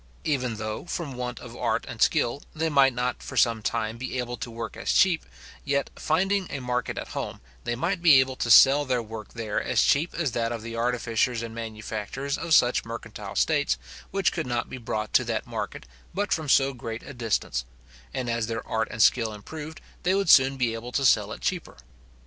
Even though, from want of art and skill, they might not for some time be able to work as cheap, yet, finding a market at home, they might be able to sell their work there as cheap as that of the artificers and manufacturers of such mercantile states, which could not be brought to that market but from so great a distance; and as their art and skill improved, they would soon be able to sell it cheaper.